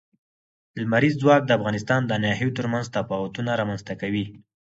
لمریز ځواک د افغانستان د ناحیو ترمنځ تفاوتونه رامنځ ته کوي.